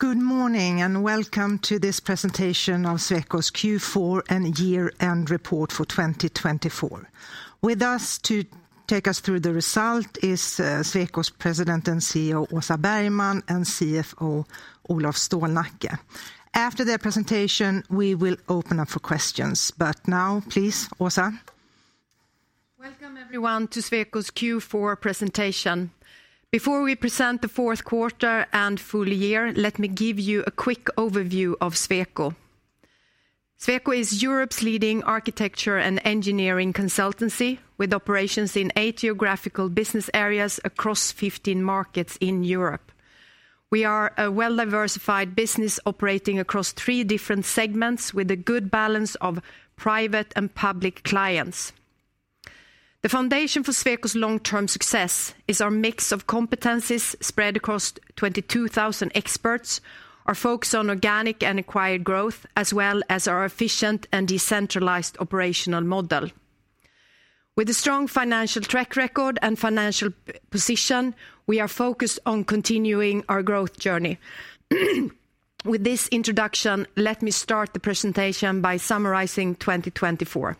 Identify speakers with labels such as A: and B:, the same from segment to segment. A: Good morning and welcome to this presentation of Sweco's Q4 and Year-End Report for 2024. With us to take us through the result is Sweco's President and CEO, Åsa Bergman, and CFO, Olof Stålnacke. After their presentation, we will open up for questions. But now, please, Åsa.
B: Welcome everyone to Sweco's Q4 presentation. Before we present the Q4 and full year, let me give you a quick overview of Sweco. Sweco is Europe's leading architecture and engineering consultancy, with operations in eight geographical business areas across 15 markets in Europe. We are a well-diversified business operating across three different segments, with a good balance of private and public clients. The foundation for Sweco's long-term success is our mix of competencies spread across 22,000 experts, our focus on organic and acquired growth, as well as our efficient and decentralized operational model. With a strong financial track record and financial position, we are focused on continuing our growth journey. With this introduction, let me start the presentation by summarizing 2024.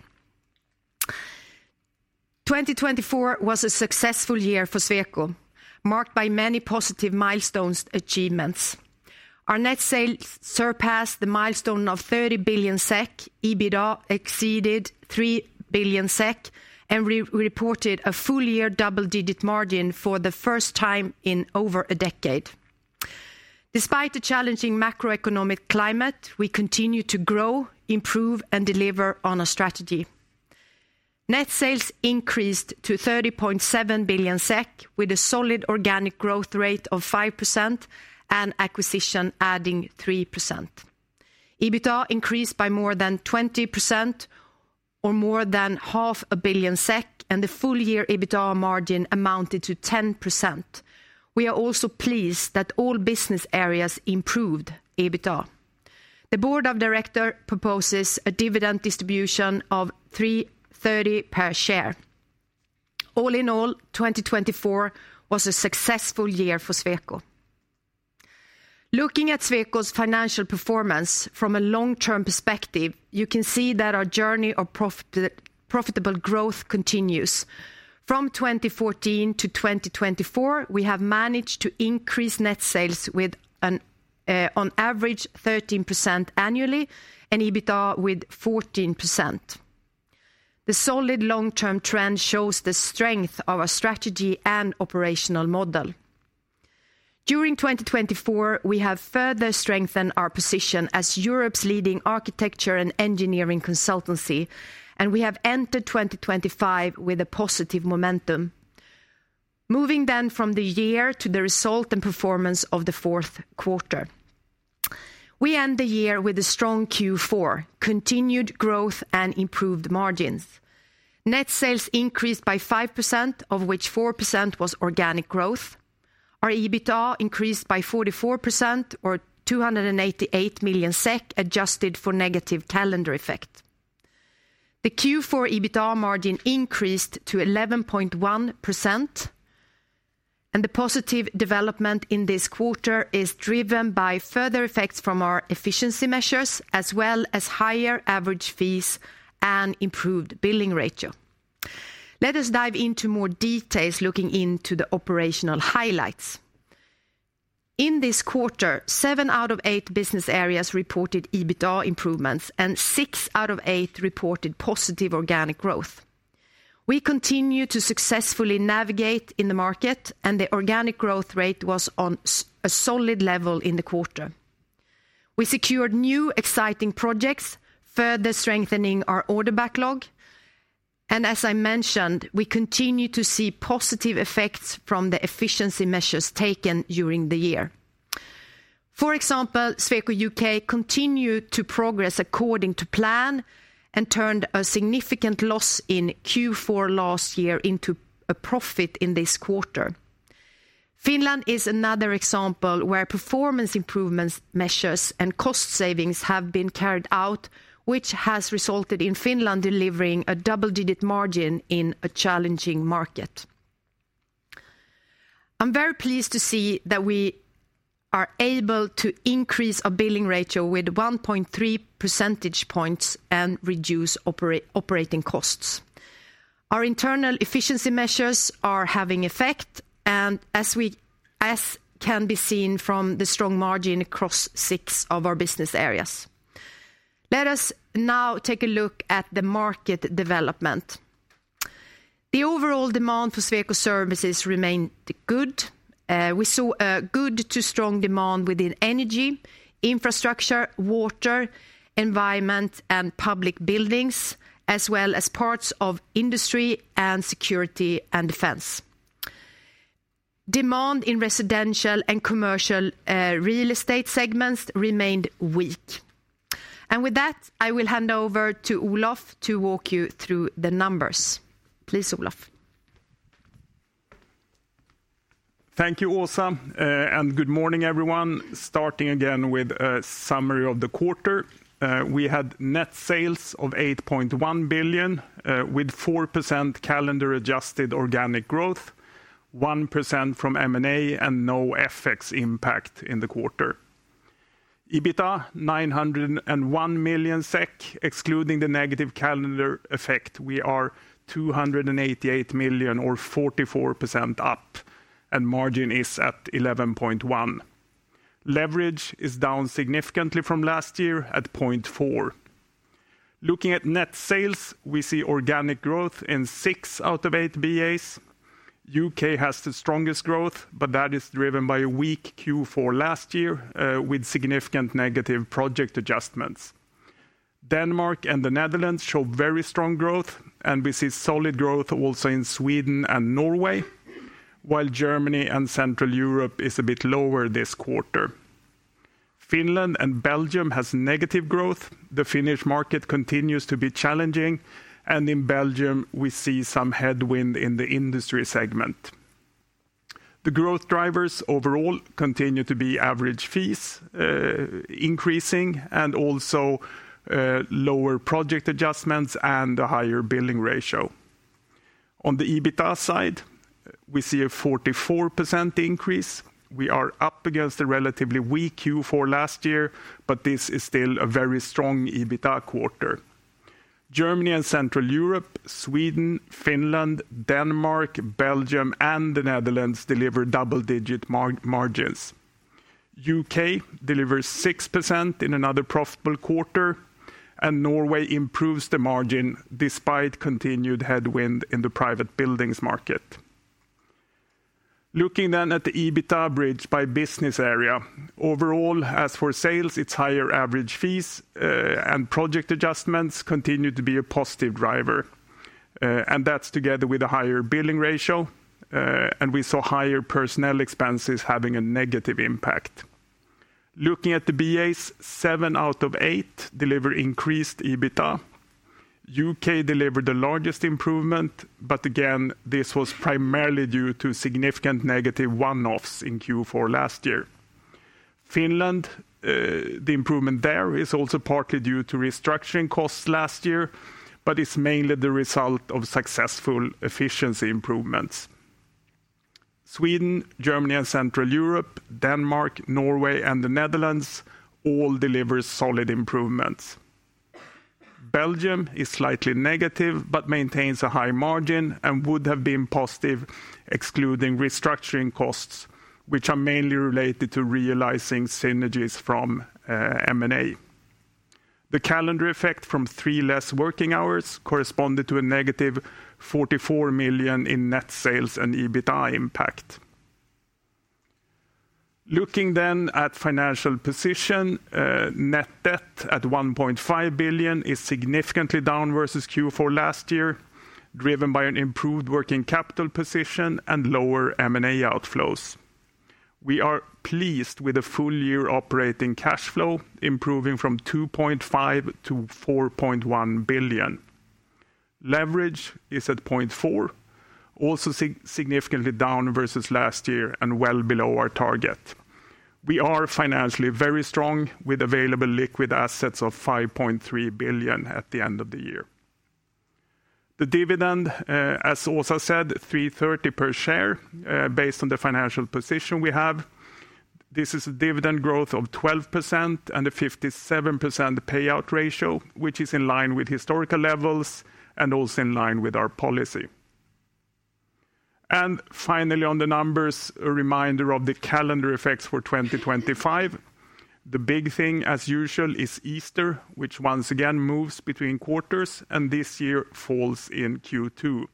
B: 2024 was a successful year for Sweco, marked by many positive milestone achievements. Our net sales surpassed the milestone of 30 billion SEK, EBITDA exceeded 3 billion SEK, and we reported a full-year double-digit margin for the first time in over a decade. Despite the challenging macroeconomic climate, we continue to grow, improve, and deliver on our strategy. Net sales increased to 30.7 billion SEK, with a solid organic growth rate of 5% and acquisition adding 3%. EBITDA increased by more than 20%, or more than 500 million SEK, and the full-year EBITDA margin amounted to 10%. We are also pleased that all business areas improved EBITDA. The board of directors proposes a dividend distribution of 3.30 per share. All in all, 2024 was a successful year for Sweco. Looking at Sweco's financial performance from a long-term perspective, you can see that our journey of profitable growth continues. From 2014 to 2024, we have managed to increase net sales with an average of 13% annually and EBITDA with 14%. The solid long-term trend shows the strength of our strategy and operational model. During 2024, we have further strengthened our position as Europe's leading architecture and engineering consultancy, and we have entered 2025 with a positive momentum. Moving then from the year to the result and performance of the Q4. We end the year with a strong Q4, continued growth, and improved margins. Net sales increased by 5%, of which 4% was organic growth. Our EBITDA increased by 44%, or 288 million SEK, adjusted for negative calendar effect. The Q4 EBITDA margin increased to 11.1%, and the positive development in this quarter is driven by further effects from our efficiency measures, as well as higher average fees and improved billing ratio. Let us dive into more details looking into the operational highlights. In this quarter, seven out of eight business areas reported EBITDA improvements, and six out of eight reported positive organic growth. We continue to successfully navigate in the market, and the organic growth rate was on a solid level in the quarter. We secured new exciting projects, further strengthening our order backlog, and as I mentioned, we continue to see positive effects from the efficiency measures taken during the year. For example, Sweco UK continued to progress according to plan and turned a significant loss in Q4 last year into a profit in this quarter. Finland is another example where performance improvement measures and cost savings have been carried out, which has resulted in Finland delivering a double-digit margin in a challenging market. I'm very pleased to see that we are able to increase our billing ratio with 1.3 percentage points and reduce operating costs. Our internal efficiency measures are having effect, and as can be seen from the strong margin across six of our business areas. Let us now take a look at the market development. The overall demand for Sweco services remained good. We saw a good to strong demand within energy, infrastructure, water, environment, and public buildings, as well as parts of industry and security and defense. Demand in residential and commercial real estate segments remained weak. And with that, I will hand over to Olof to walk you through the numbers. Please, Olof.
C: Thank you, Åsa, and good morning, everyone. Starting again with a summary of the quarter, we had net sales of 8.1 billion with 4% calendar adjusted organic growth, 1% from M&A, and no FX impact in the quarter. EBITDA 901 million SEK, excluding the negative calendar effect, we are 288 million, or 44% up, and margin is at 11.1%. Leverage is down significantly from last year at 0.4. Looking at net sales, we see organic growth in six out of eight BAs. UK has the strongest growth, but that is driven by a weak Q4 last year with significant negative project adjustments. Denmark and the Netherlands show very strong growth, and we see solid growth also in Sweden and Norway, while Germany and Central Europe is a bit lower this quarter. Finland and Belgium have negative growth. The Finnish market continues to be challenging, and in Belgium, we see some headwind in the industry segment. The growth drivers overall continue to be average fees increasing and also lower project adjustments and a higher billing ratio. On the EBITDA side, we see a 44% increase. We are up against a relatively weak Q4 last year, but this is still a very strong EBITDA quarter. Germany and Central Europe, Sweden, Finland, Denmark, Belgium, and the Netherlands deliver double-digit margins. UK delivers 6% in another profitable quarter, and Norway improves the margin despite continued headwind in the private buildings market. Looking then at the EBITDA bridge by business area. Overall, as for sales, it's higher average fees and project adjustments continue to be a positive driver, and that's together with a higher billing ratio, and we saw higher personnel expenses having a negative impact. Looking at the BAs, seven out of eight deliver increased EBITDA. UK delivered the largest improvement, but again, this was primarily due to significant negative one-offs in Q4 last year. Finland, the improvement there is also partly due to restructuring costs last year, but it's mainly the result of successful efficiency improvements. Sweden, Germany, and Central Europe, Denmark, Norway, and the Netherlands all deliver solid improvements. Belgium is slightly negative but maintains a high margin and would have been positive excluding restructuring costs, which are mainly related to realizing synergies from M&A. The calendar effect from three less working hours corresponded to a negative 44 million in net sales and EBITDA impact. Looking then at financial position, net debt at 1.5 billion is significantly down versus Q4 last year, driven by an improved working capital position and lower M&A outflows. We are pleased with a full-year operating cash flow improving from 2.5 billion to 4.1 billion. Leverage is at 0.4, also significantly down versus last year and well below our target. We are financially very strong with available liquid assets of 5.3 billion at the end of the year. The dividend, as Åsa said, 3.30 per share based on the financial position we have. This is a dividend growth of 12% and a 57% payout ratio, which is in line with historical levels and also in line with our policy, and finally, on the numbers, a reminder of the calendar effects for 2025. The big thing, as usual, is Easter, which once again moves between quarters and this year falls in Q2,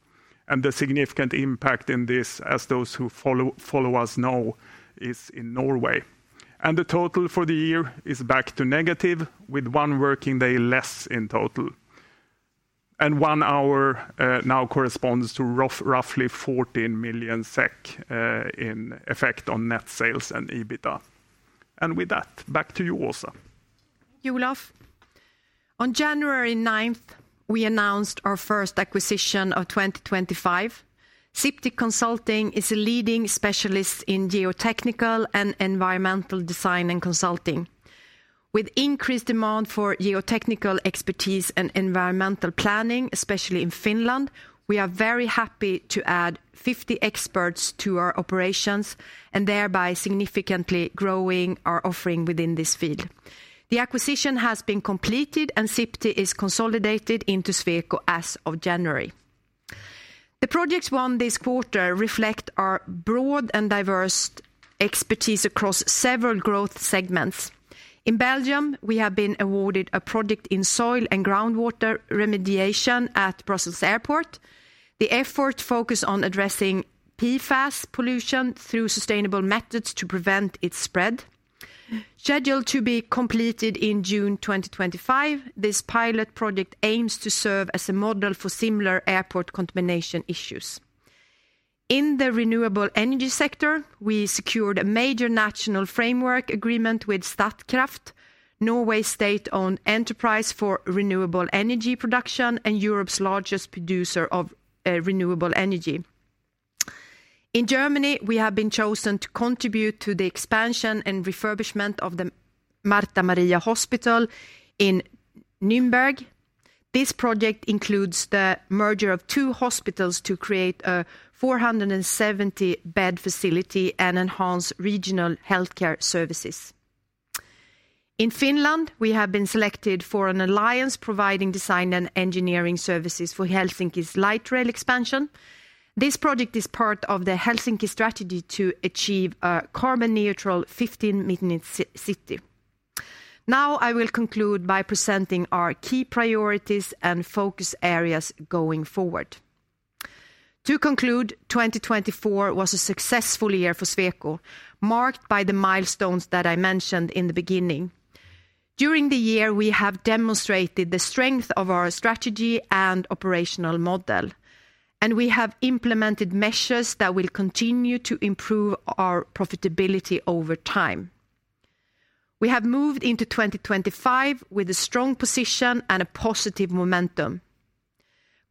C: and the significant impact in this, as those who follow us know, is in Norway. And the total for the year is back to negative with one working day less in total. And one hour now corresponds to roughly 14 million SEK in effect on net sales and EBITDA. And with that, back to you, Åsa.
B: On January 9th, we announced our first acquisition of 2025. Sipti Consulting is a leading specialist in geotechnical and environmental design and consulting. With increased demand for geotechnical expertise and environmental planning, especially in Finland, we are very happy to add 50 experts to our operations and thereby significantly growing our offering within this field. The acquisition has been completed and Sipti is consolidated into Sweco as of January. The projects won this quarter reflect our broad and diverse expertise across several growth segments. In Belgium, we have been awarded a project in soil and groundwater remediation at Brussels Airport. The effort focuses on addressing PFAS pollution through sustainable methods to prevent its spread. Scheduled to be completed in June 2025, this pilot project aims to serve as a model for similar airport contamination issues. In the renewable energy sector, we secured a major national framework agreement with Statkraft, Norway's state-owned enterprise for renewable energy production and Europe's largest producer of renewable energy. In Germany, we have been chosen to contribute to the expansion and refurbishment of the Martha-Maria Hospital in Nuremberg. This project includes the merger of two hospitals to create a 470-bed facility and enhance regional healthcare services. In Finland, we have been selected for an alliance providing design and engineering services for Helsinki's light rail expansion. This project is part of the Helsinki strategy to achieve a carbon-neutral 15-minute city. Now I will conclude by presenting our key priorities and focus areas going forward. To conclude, 2024 was a successful year for Sweco, marked by the milestones that I mentioned in the beginning. During the year, we have demonstrated the strength of our strategy and operational model, and we have implemented measures that will continue to improve our profitability over time. We have moved into 2025 with a strong position and a positive momentum.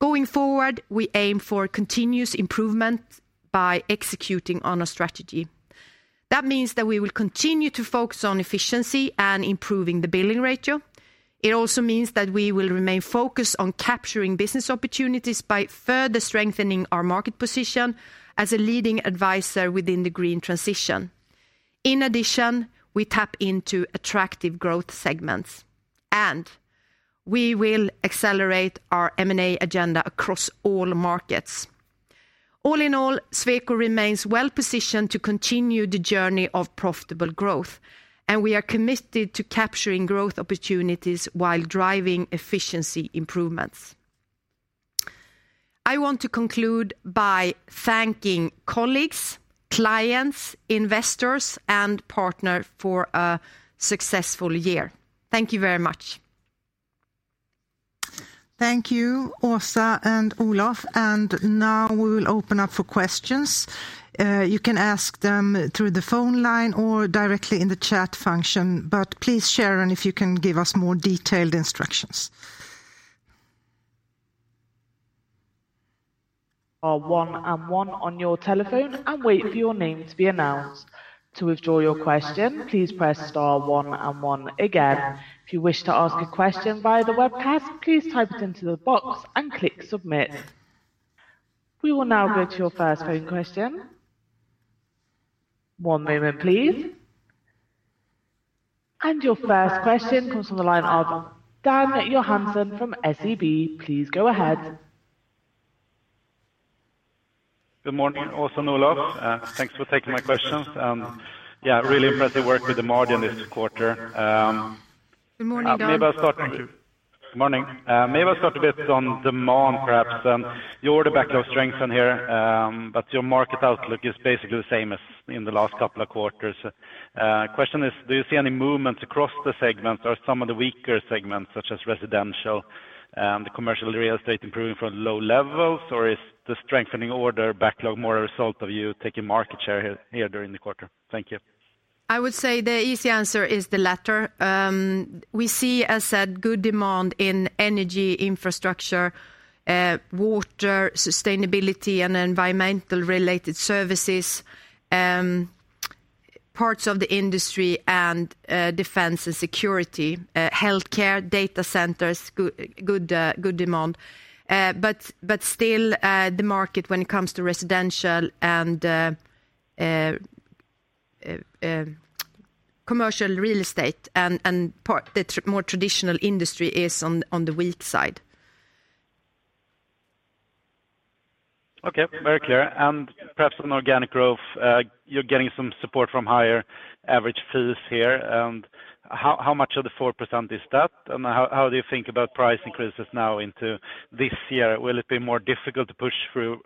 B: Going forward, we aim for continuous improvement by executing on our strategy. That means that we will continue to focus on efficiency and improving the billing ratio. It also means that we will remain focused on capturing business opportunities by further strengthening our market position as a leading advisor within the green transition. In addition, we tap into attractive growth segments, and we will accelerate our M&A agenda across all markets. All in all, Sweco remains well positioned to continue the journey of profitable growth, and we are committed to capturing growth opportunities while driving efficiency improvements. I want to conclude by thanking colleagues, clients, investors, and partners for a successful year. Thank you very much. Thank you, Åsa and Olof. And now we will open up for questions. You can ask them through the phone line or directly in the chat function, but please Sharon, if you can give us more detailed instructions.
D: Star one and one on your telephone and wait for your name to be announced. To withdraw your question, please press star one and one again. If you wish to ask a question via the webcast, please type it into the box and click submit. We will now go to your first phone question. One moment, please. And your first question comes from the line of Dan Johansson from SEB. Please go ahead.
E: Good morning, Åsa and Olof. Thanks for taking my questions. Yeah, really impressive work with the margin this quarter.
B: Good morning, Dan.
E: Maybe I'll start. Good morning. Maybe I'll start a bit on demand, perhaps. You've been the bright spot here, but your market outlook is basically the same as in the last couple of quarters. The question is, do you see any movements across the segments or some of the weaker segments, such as residential and commercial real estate, improving from low levels, or is the strengthening order backlog more a result of you taking market share here during the quarter? Thank you.
B: I would say the easy answer is the latter. We see, as said, good demand in energy infrastructure, water, sustainability, and environmental-related services, parts of the industry, and defense and security, healthcare, data centers, good demand. But still, the market when it comes to residential and commercial real estate and the more traditional industry is on the weak side.
E: Okay, very clear. And perhaps on organic growth, you're getting some support from higher average fees here. And how much of the 4% is that? And how do you think about price increases now into this year? Will it be more difficult to push through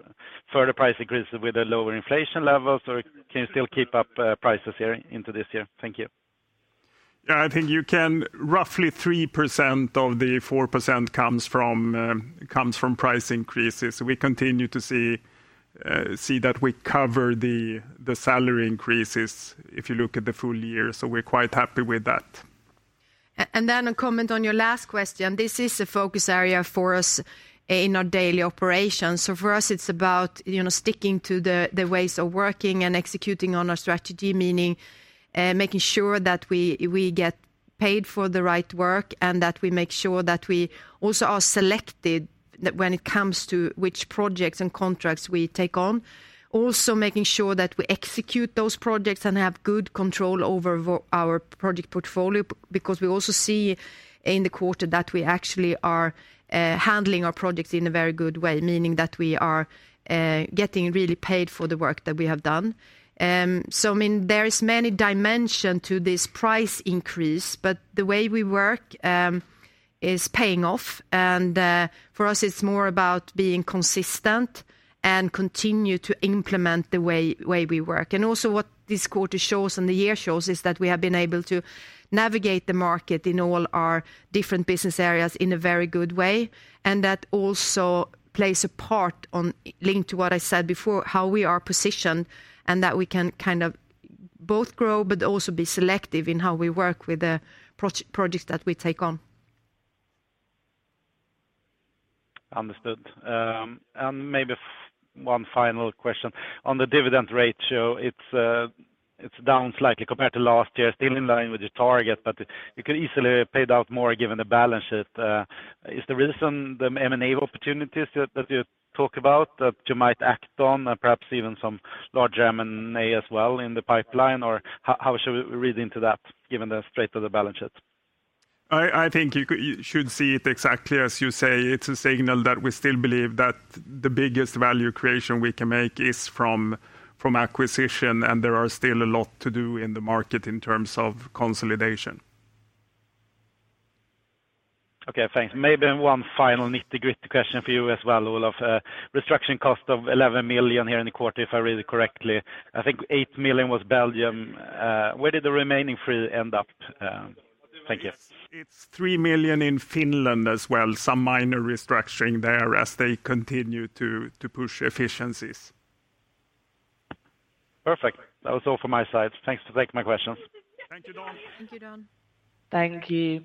E: further price increases with the lower inflation levels, or can you still keep up prices here into this year? Thank you.
C: Yeah, I think you can roughly 3% of the 4% comes from price increases. We continue to see that we cover the salary increases if you look at the full year. So we're quite happy with that.
B: Then a comment on your last question. This is a focus area for us in our daily operations. For us, it's about sticking to the ways of working and executing on our strategy, meaning making sure that we get paid for the right work and that we make sure that we also are selected when it comes to which projects and contracts we take on. Also making sure that we execute those projects and have good control over our project portfolio because we also see in the quarter that we actually are handling our projects in a very good way, meaning that we are getting really paid for the work that we have done. I mean, there is many dimensions to this price increase, but the way we work is paying off. For us, it's more about being consistent and continuing to implement the way we work. Also what this quarter shows and the year shows is that we have been able to navigate the market in all our different business areas in a very good way. That also plays a part linked to what I said before, how we are positioned and that we can kind of both grow, but also be selective in how we work with the projects that we take on.
E: Understood. And maybe one final question. On the dividend ratio, it's down slightly compared to last year, still in line with your target, but you could easily pay out more given the balance sheet. Is the reason the M&A opportunities that you talk about that you might act on and perhaps even some larger M&A as well in the pipeline, or how should we read into that given the strength of the balance sheet?
C: I think you should see it exactly as you say. It's a signal that we still believe that the biggest value creation we can make is from acquisition, and there are still a lot to do in the market in terms of consolidation.
E: Okay, thanks. Maybe one final nitty-gritty question for you as well, Olof. Restructuring cost of 11 million here in the quarter, if I read it correctly. I think eight million was Belgium. Where did the remaining three end up? Thank you.
C: It's 3 million in Finland as well. Some minor restructuring there as they continue to push efficiencies.
E: Perfect. That was all from my side. Thanks for taking my questions. Thank you, Dan.
B: Thank you, Dan.
D: Thank you.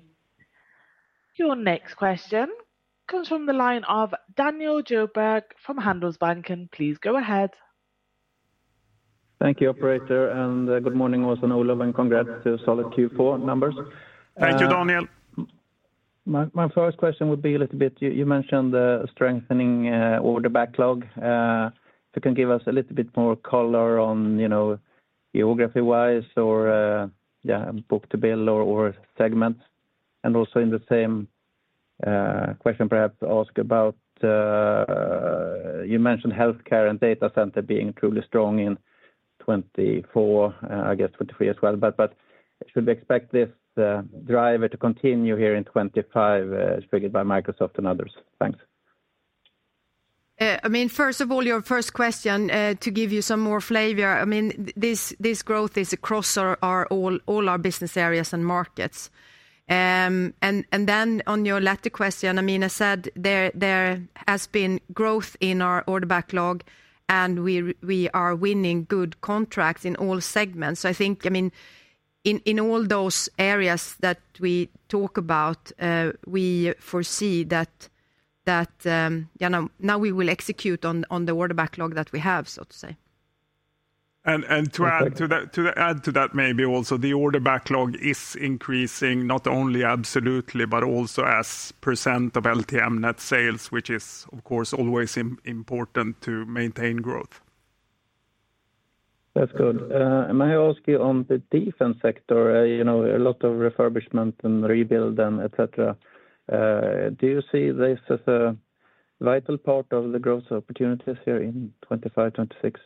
D: Your next question comes from the line of Daniel Djurberg from Handelsbanken, please go ahead.
F: Thank you, operator, and good morning, Åsa and Olof, and congrats to solid Q4 numbers.
C: Thank you, Daniel.
F: My first question would be a little bit. You mentioned the strengthening order backlog. If you can give us a little bit more color on geography-wise or book-to-bill or segment. And also in the same question, perhaps ask about, you mentioned healthcare and data center being truly strong in 2024, I guess 2023 as well, but should we expect this driver to continue here in 2025 fueled by Microsoft and others? Thanks.
B: I mean, first of all, your first question to give you some more flavor, I mean, this growth is across all our business areas and markets, and then on your latter question, I mean, as said, there has been growth in our order backlog, and we are winning good contracts in all segments, so I think, I mean, in all those areas that we talk about, we foresee that now we will execute on the order backlog that we have, so to say.
C: To add to that, maybe also the order backlog is increasing not only absolutely, but also as percent of LTM net sales, which is of course always important to maintain growth.
F: That's good. May I ask you on the defense sector, a lot of refurbishment and rebuild and etc. Do you see this as a vital part of the growth opportunities here in 2025, 2026?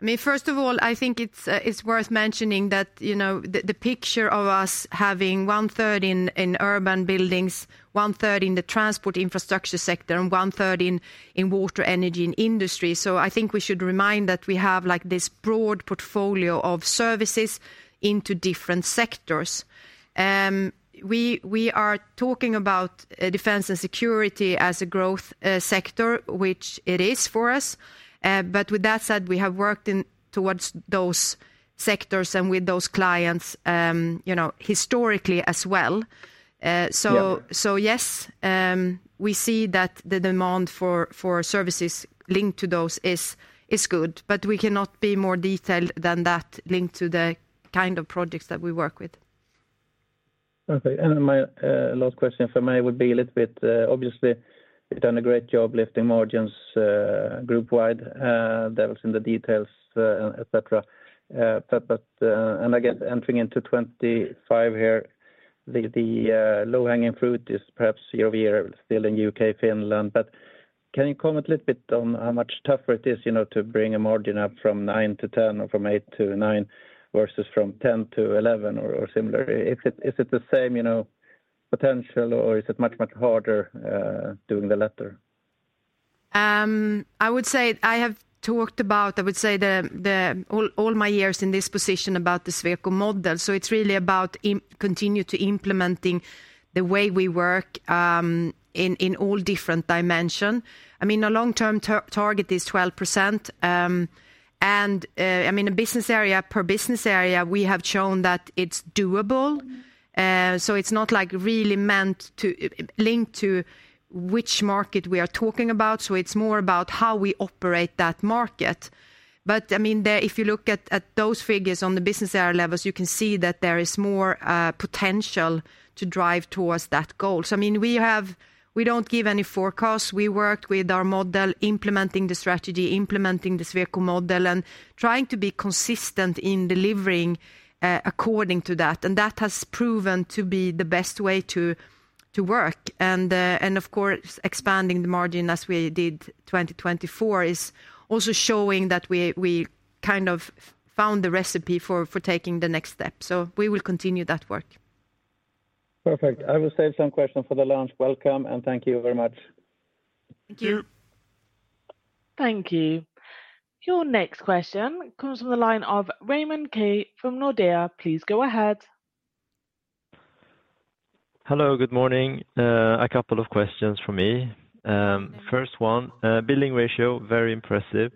B: I mean, first of all, I think it's worth mentioning that the picture of us having one-third in urban buildings, one-third in the transport infrastructure sector, and one-third in water energy and industry. So I think we should remind that we have this broad portfolio of services into different sectors. We are talking about defense and security as a growth sector, which it is for us. But with that said, we have worked towards those sectors and with those clients historically as well. So yes, we see that the demand for services linked to those is good, but we cannot be more detailed than that linked to the kind of projects that we work with.
F: Perfect, and my last question for May would be a little bit, obviously, you've done a great job lifting margins group-wide, there was in the details, etc., and I guess entering into 2025 here, the low-hanging fruit is perhaps year-over-year still in the UK, Finland, but can you comment a little bit on how much tougher it is to bring a margin up from 9% to 10% or from 8% to 9% versus from 10% to 11% or similar? Is it the same potential or is it much, much harder doing the latter?
B: I would say I have talked about, I would say all my years in this position about the Sweco model. So it's really about continuing to implement the way we work in all different dimensions. I mean, a long-term target is 12%. And I mean, a business area per business area, we have shown that it's doable. So it's not like really meant to link to which market we are talking about. So it's more about how we operate that market. But I mean, if you look at those figures on the business area levels, you can see that there is more potential to drive towards that goal. So I mean, we don't give any forecasts. We worked with our model implementing the strategy, implementing the Sweco model and trying to be consistent in delivering according to that. And that has proven to be the best way to work. Of course, expanding the margin as we did 2024 is also showing that we kind of found the recipe for taking the next step. We will continue that work.
F: Perfect. I will save some questions for the lunch. Welcome and thank you very much.
B: Thank you. Thank You.
D: Thank you. Your next question comes from the line of Raymond Ke from Nordea. Please go ahead.
G: Hello, good morning. A couple of questions for me. First one, billing ratio, very impressive.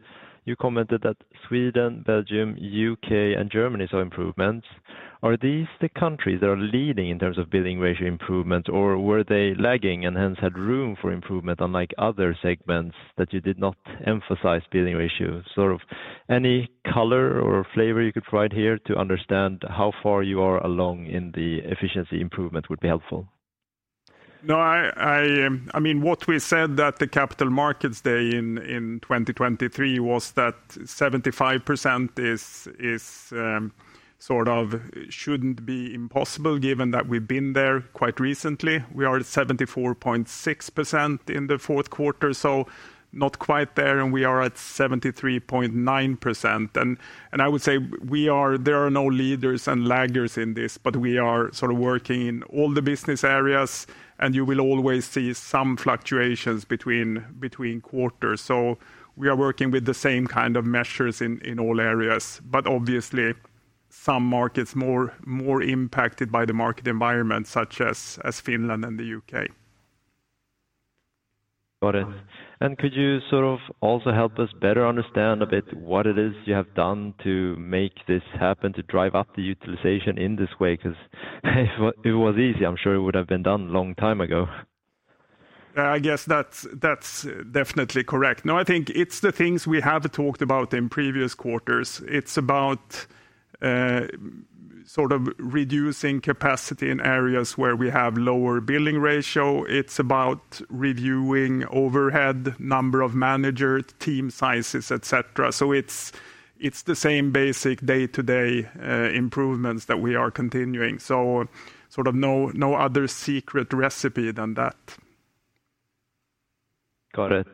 G: You commented that Sweden, Belgium, UK, and Germany saw improvements. Are these the countries that are leading in terms of billing ratio improvement or were they lagging and hence had room for improvement unlike other segments that you did not emphasize billing ratio? Sort of any color or flavor you could provide here to understand how far you are along in the efficiency improvement would be helpful?
C: No, I mean, what we said at the Capital Markets Day in 2023 was that 75% is sort of shouldn't be impossible given that we've been there quite recently. We are at 74.6% in the Q4, so not quite there, and we are at 73.9%. And I would say we are, there are no leaders and laggards in this, but we are sort of working in all the business areas and you will always see some fluctuations between quarters. So we are working with the same kind of measures in all areas, but obviously some markets more impacted by the market environment, such as Finland and the UK.
G: Got it. And could you sort of also help us better understand a bit what it is you have done to make this happen, to drive up the utilization in this way? Because if it was easy, I'm sure it would have been done a long time ago.
C: I guess that's definitely correct. No, I think it's the things we have talked about in previous quarters. It's about sort of reducing capacity in areas where we have lower billing ratio. It's about reviewing overhead, number of managers, team sizes, etc. So it's the same basic day-to-day improvements that we are continuing. So sort of no other secret recipe than that.
G: Got it.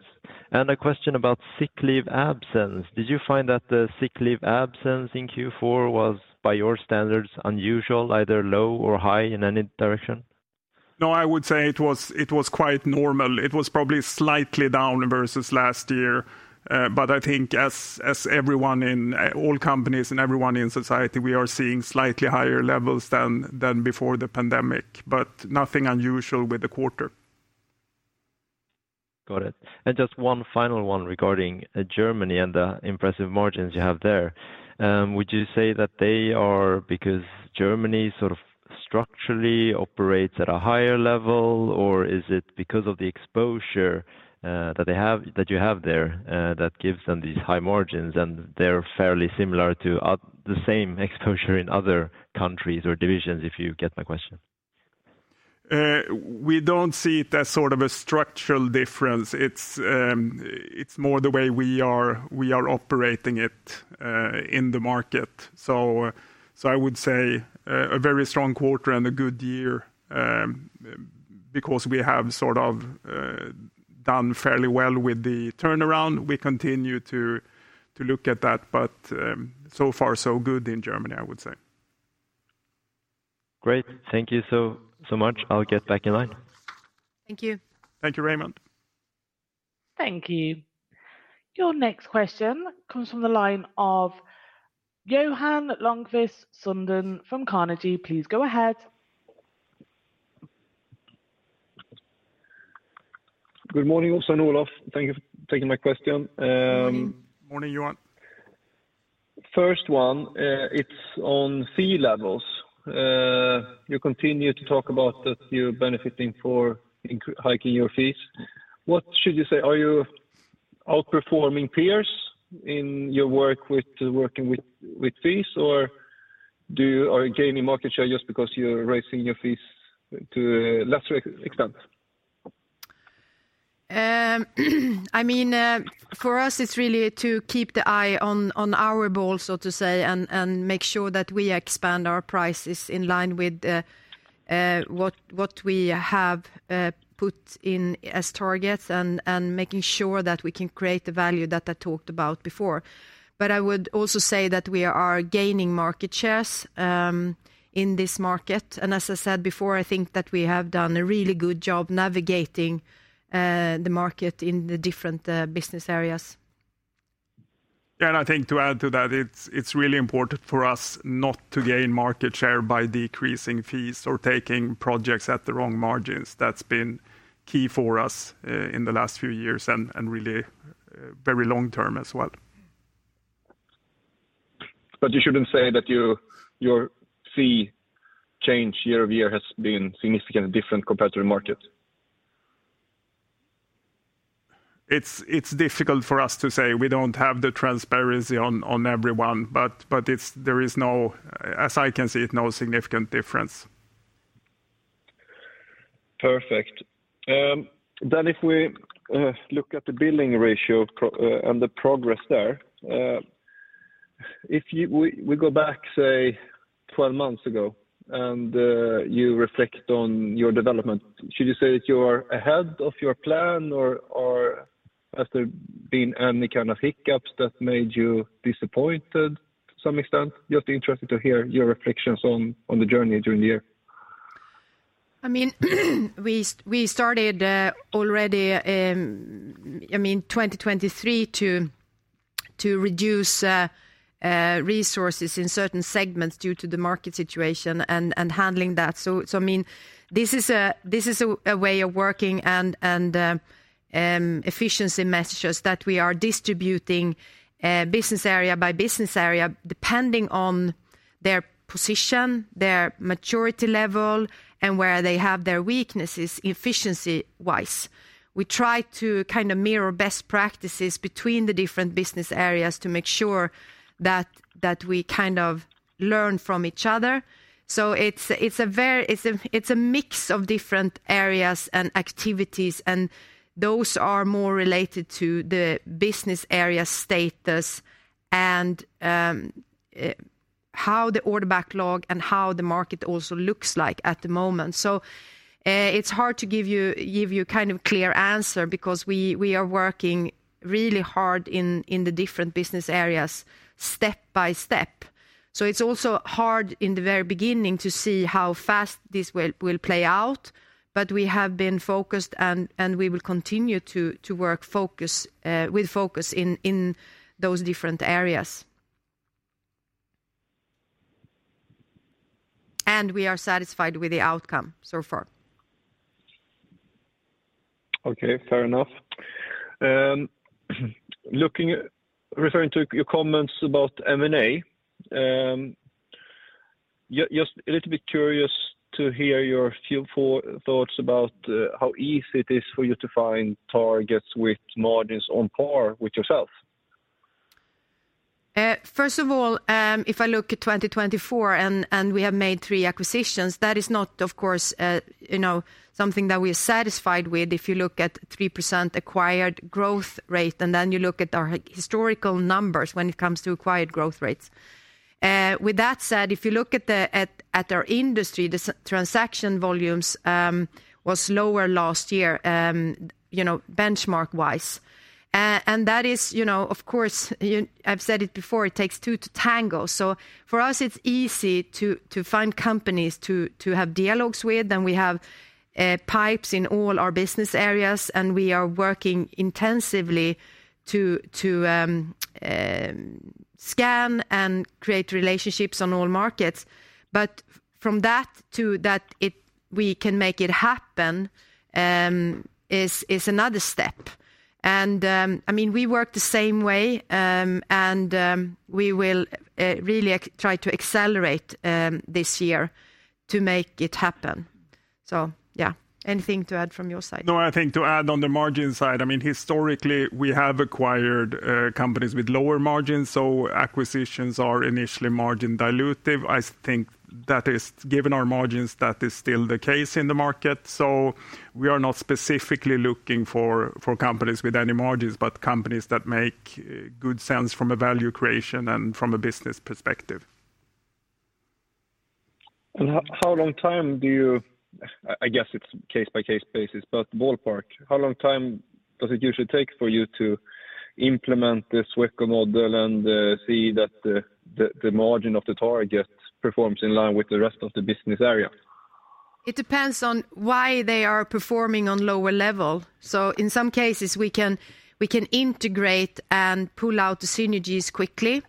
G: And a question about sick leave absence. Did you find that the sick leave absence in Q4 was by your standards unusual, either low or high in any direction?
C: No, I would say it was quite normal. It was probably slightly down versus last year. But I think as everyone in all companies and everyone in society, we are seeing slightly higher levels than before the pandemic, but nothing unusual with the quarter.
G: Got it. And just one final one regarding Germany and the impressive margins you have there. Would you say that they are because Germany sort of structurally operates at a higher level or is it because of the exposure that you have there that gives them these high margins and they're fairly similar to the same exposure in other countries or divisions if you get my question?
C: We don't see it as sort of a structural difference. It's more the way we are operating it in the market. So I would say a very strong quarter and a good year because we have sort of done fairly well with the turnaround. We continue to look at that, but so far so good in Germany, I would say.
G: Great. Thank you so much. I'll get back in line.
B: Thank you.
C: Thank you, Raymond.
D: Thank you. Your next question comes from the line of Johan Lönnquist from Carnegie. Please go ahead.
H: Good morning, Åsa and Olof. Thank you for taking my question.
B: Morning
C: Morning, Johan.
H: First one, it's on fee levels. You continue to talk about that you're benefiting from hiking your fees. What should you say? Are you outperforming peers in your work with fees or are you gaining market share just because you're raising your fees to a lesser extent?
B: I mean, for us, it's really to keep the eye on our ball, so to say, and make sure that we expand our prices in line with what we have put in as targets and making sure that we can create the value that I talked about before. But I would also say that we are gaining market shares in this market. And as I said before, I think that we have done a really good job navigating the market in the different business areas.
C: Yeah, and I think to add to that, it's really important for us not to gain market share by decreasing fees or taking projects at the wrong margins. That's been key for us in the last few years and really very long term as well.
H: But you shouldn't say that your fee change year over year has been significantly different compared to the market.
C: It's difficult for us to say. We don't have the transparency on everyone, but there is no, as I can see, no significant difference.
H: Perfect. Then if we look at the billing ratio and the progress there, if we go back, say, 12 months ago and you reflect on your development, should you say that you are ahead of your plan or after being any kind of hiccups that made you disappointed to some extent? Just interested to hear your reflections on the journey during the year.
B: I mean, we started already, I mean, 2023 to reduce resources in certain segments due to the market situation and handling that. So I mean, this is a way of working and efficiency messages that we are distributing business area by business area depending on their position, their maturity level, and where they have their weaknesses efficiency-wise. We try to kind of mirror best practices between the different business areas to make sure that we kind of learn from each other. So it's a mix of different areas and activities, and those are more related to the business area status and how the order backlog and how the market also looks like at the moment. So it's hard to give you kind of a clear answer because we are working really hard in the different business areas step by step. So it's also hard in the very beginning to see how fast this will play out, but we have been focused and we will continue to work with focus in those different areas. And we are satisfied with the outcome so far.
H: Okay, fair enough. Referring to your comments about M&A, just a little bit curious to hear your thoughts about how easy it is for you to find targets with margins on par with yourself.
B: First of all, if I look at 2024 and we have made three acquisitions, that is not, of course, something that we are satisfied with. If you look at 3% acquired growth rate and then you look at our historical numbers when it comes to acquired growth rates. With that said, if you look at our industry, the transaction volumes were lower last year benchmark-wise, and that is, of course, I've said it before, it takes two to tango, so for us, it's easy to find companies to have dialogues with, and we have pipes in all our business areas, and we are working intensively to scan and create relationships on all markets, but from that to that we can make it happen is another step, and I mean, we work the same way, and we will really try to accelerate this year to make it happen. So yeah, anything to add from your side?
C: No, I think to add on the margin side, I mean, historically we have acquired companies with lower margins, so acquisitions are initially margin dilutive. I think that is given our margins, that is still the case in the market. So we are not specifically looking for companies with any margins, but companies that make good sense from a value creation and from a business perspective.
H: How long time do you, I guess it's case-by-case basis, but ballpark, how long time does it usually take for you to implement the Sweco model and see that the margin of the target performs in line with the rest of the business area?
B: It depends on why they are performing at a lower level, so in some cases, we can integrate and pull out the synergies quickly.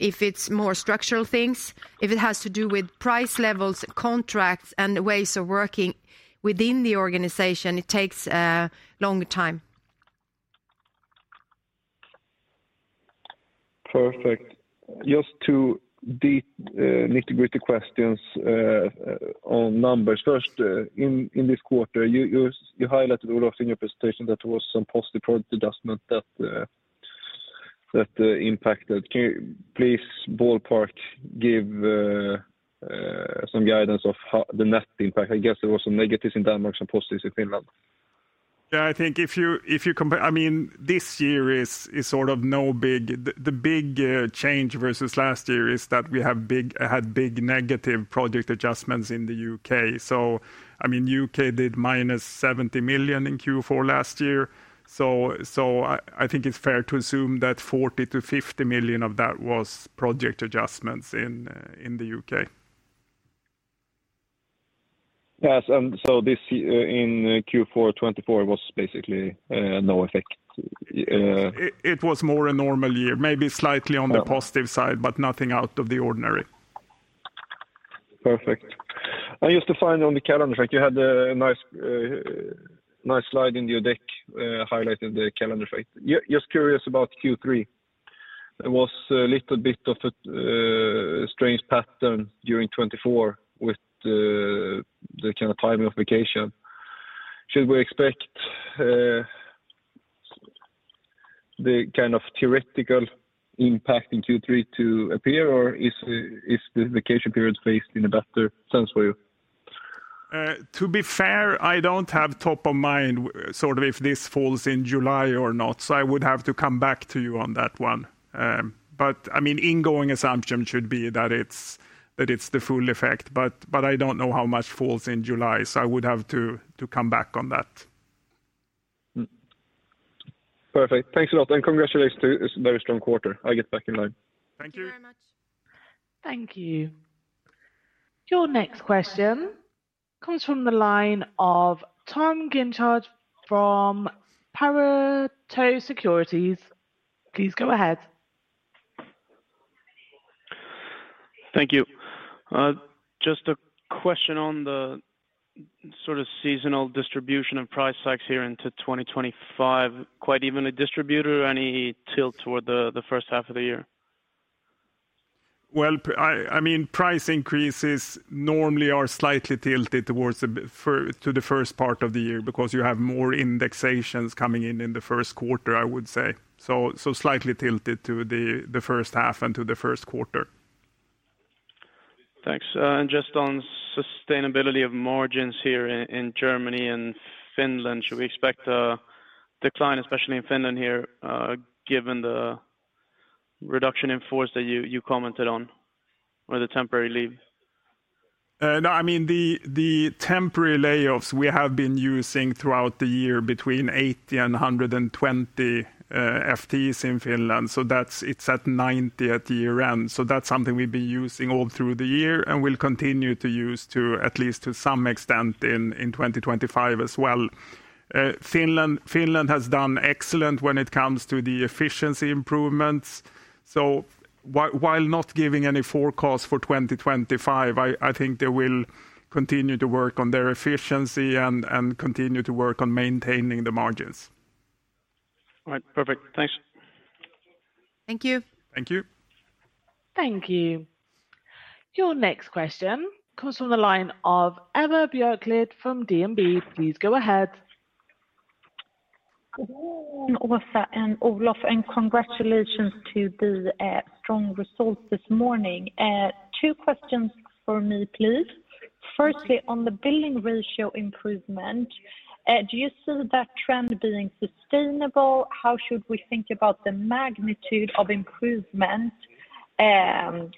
B: If it's more structural things, if it has to do with price levels, contracts, and ways of working within the organization, it takes a longer time.
H: Perfect. Just two nitty-gritty questions on numbers. First, in this quarter, you highlighted a lot in your presentation that there was some positive project adjustment that impacted. Can you please ballpark give some guidance of the net impact? I guess there were some negatives in Denmark, some positives in Finland.
C: Yeah, I think if you compare, I mean, this year is sort of no big. The big change versus last year is that we had big negative project adjustments in the UK So I mean, UK did -70 million in Q4 last year. So I think it's fair to assume that 40 million-50 million of that was project adjustments in the UK
H: Yes, and so this in Q4 2024 was basically no effect.
C: It was more a normal year, maybe slightly on the positive side, but nothing out of the ordinary.
H: Perfect. I just found on the calendar effect, you had a nice slide in your deck highlighting the calendar effect. Just curious about Q3. There was a little bit of a strange pattern during 2024 with the kind of timing of vacation. Should we expect the kind of theoretical impact in Q3 to appear, or is the vacation period faced in a better sense for you?
C: To be fair, I don't have top of mind sort of if this falls in July or not, so I would have to come back to you on that one. But I mean, incoming assumption should be that it's the full effect, but I don't know how much falls in July, so I would have to come back on that.
H: Perfect. Thanks a lot. And congratulations to a very strong quarter. I'll get back in line.
C: Thank you.
B: Thank you very much.
D: Thank you. Your next question comes from the line of Tom Guinchard from Pareto Securities. Please go ahead.
I: Thank you. Just a question on the sort of seasonal distribution of price hikes here into 2025. Quite even distribution or any tilt toward the first half of the year?
C: Well, I mean, price increases normally are slightly tilted towards the first part of the year because you have more indexations coming in in the Q1, I would say. So slightly tilted to the first half and to the Q1.
I: Thanks. And just on sustainability of margins here in Germany and Finland, should we expect a decline, especially in Finland here, given the reduction in force that you commented on or the temporary leave?
C: No, I mean, the temporary layoffs we have been using throughout the year between 80 and 120 FTEs in Finland. So it's at 90 at year end. So that's something we've been using all through the year and will continue to use to at least to some extent in 2025 as well. Finland has done excellent when it comes to the efficiency improvements. So while not giving any forecast for 2025, I think they will continue to work on their efficiency and continue to work on maintaining the margins.
I: All right. Perfect. Thanks.
B: Thank you.
C: Thank you.
D: Thank you. Your next question comes from the line of Emma Björklid from DNB. Please go ahead.
J: Olof, and congratulations to the strong results this morning. Two questions for me, please. Firstly, on the billing ratio improvement, do you see that trend being sustainable? How should we think about the magnitude of improvement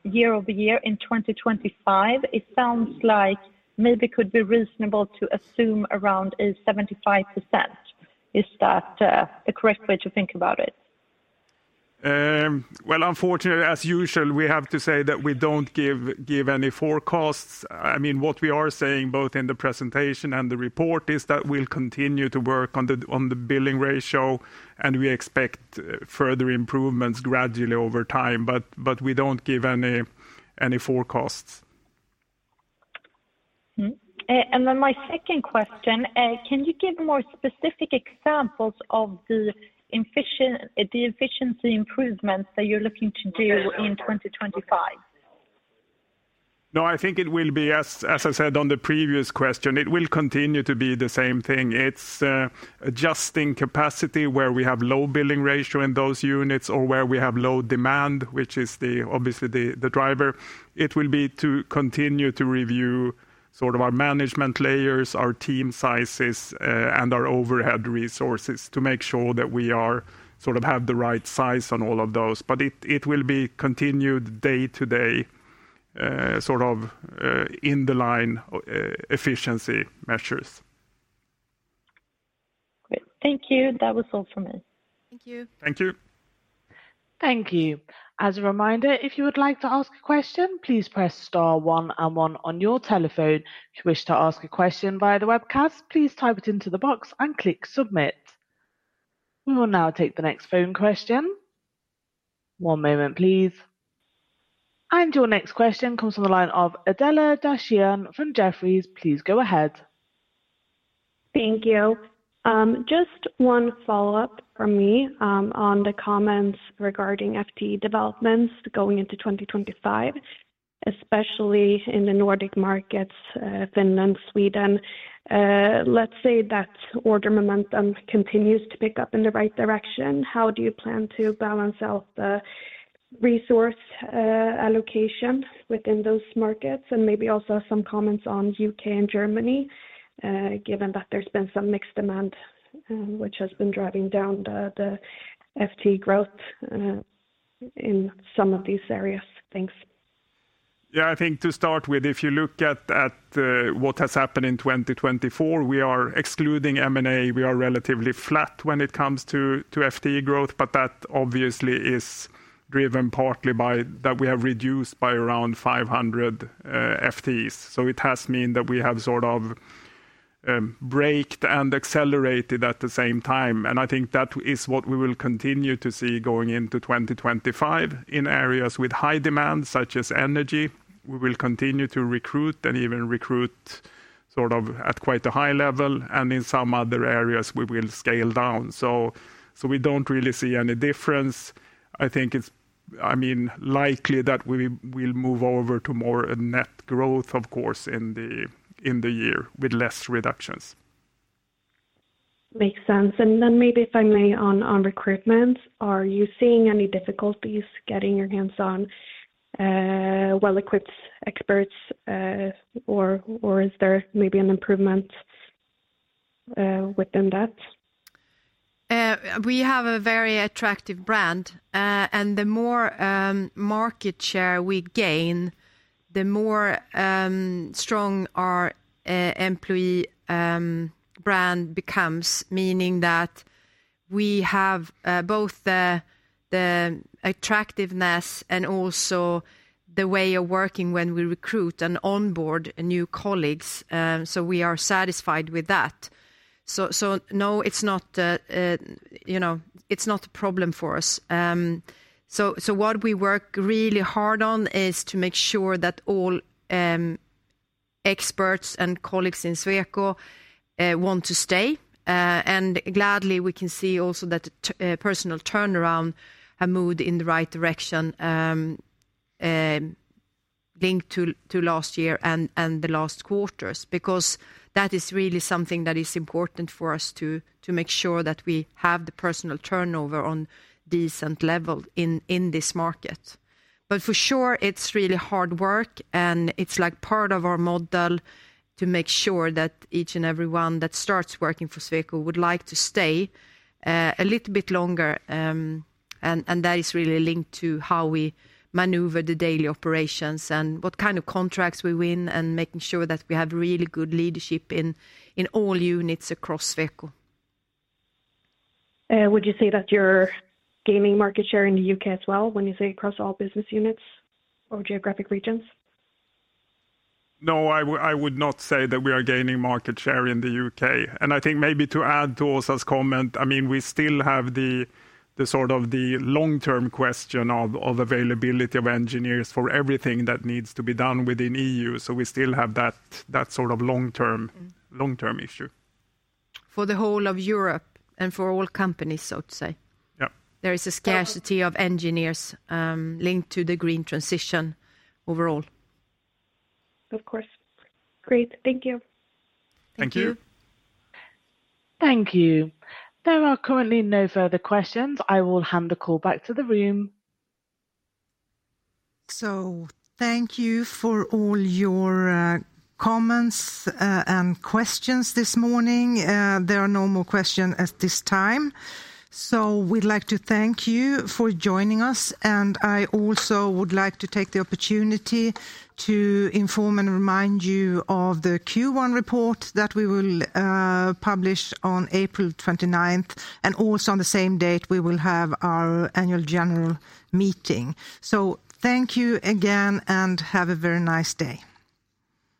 J: year over year in 2025? It sounds like maybe it could be reasonable to assume around a 75%. Is that the correct way to think about it?
C: Unfortunately, as usual, we have to say that we don't give any forecasts. I mean, what we are saying both in the presentation and the report is that we'll continue to work on the billing ratio, and we expect further improvements gradually over time, but we don't give any forecasts.
J: And then my second question, can you give more specific examples of the efficiency improvements that you're looking to do in 2025?
C: No, I think it will be, as I said on the previous question, it will continue to be the same thing. It's adjusting capacity where we have low billing ratio in those units or where we have low demand, which is obviously the driver. It will be to continue to review sort of our management layers, our team sizes, and our overhead resources to make sure that we sort of have the right size on all of those. But it will be continued day-to-day sort of in the line efficiency measures.
J: Great. Thank you. That was all from me.
B: Thank you.
C: Thank you.
D: Thank you. As a reminder, if you would like to ask a question, please press star one and one on your telephone. If you wish to ask a question via the webcast, please type it into the box and click submit. We will now take the next phone question. One moment, please. And your next question comes from the line of Adela Dashian from Jefferies. Please go ahead.
K: Thank you. Just one follow-up from me on the comments regarding FTE developments going into 2025, especially in the Nordic markets, Finland, Sweden. Let's say that order momentum continues to pick up in the right direction. How do you plan to balance out the resource allocation within those markets? And maybe also some comments on UK and Germany, given that there's been some mixed demand, which has been driving down the FTE growth in some of these areas. Thanks.
C: Yeah, I think to start with, if you look at what has happened in 2024, we are excluding M&A. We are relatively flat when it comes to FTE growth, but that obviously is driven partly by that we have reduced by around 500 FTEs. So it has meant that we have sort of braked and accelerated at the same time. And I think that is what we will continue to see going into 2025 in areas with high demand, such as energy. We will continue to recruit and even recruit sort of at quite a high level. And in some other areas, we will scale down. So we don't really see any difference. I think it's, I mean, likely that we will move over to more net growth, of course, in the year with less reductions.
K: Makes sense. And then maybe finally on recruitment, are you seeing any difficulties getting your hands on well-equipped experts, or is there maybe an improvement within that?
B: We have a very attractive brand, and the more market share we gain, the stronger our employee brand becomes, meaning that we have both the attractiveness and also the way of working when we recruit and onboard new colleagues, so we are satisfied with that, so no, it's not a problem for us, so what we work really hard on is to make sure that all experts and colleagues in Sweco want to stay, and gladly, we can see also that personnel turnover has moved in the right direction linked to last year and the last quarters because that is really something that is important for us to make sure that we have the personnel turnover on a decent level in this market. But for sure, it's really hard work, and it's like part of our model to make sure that each and everyone that starts working for Sweco would like to stay a little bit longer. And that is really linked to how we maneuver the daily operations and what kind of contracts we win and making sure that we have really good leadership in all units across Sweco.
K: Would you say that you're gaining market share in the UK as well when you say across all business units or geographic regions?
C: No, I would not say that we are gaining market share in the UK And I think maybe to add to Olof's comment, I mean, we still have the sort of long-term question of availability of engineers for everything that needs to be done within E.U. So we still have that sort of long-term issue.
B: For the whole of Europe and for all companies, so to say. There is a scarcity of engineers linked to the green transition overall.
K: Of course. Great. Thank you.
C: Thank you. Thank you.
D: Thank you. There are currently no further questions. I will hand the call back to the room. So thank you for all your comments and questions this morning. There are no more questions at this time. So we'd like to thank you for joining us. And I also would like to take the opportunity to inform and remind you of the Q1 report that we will publish on April. And also on the same date, we will have our annual general meeting. So thank you again and have a very nice day.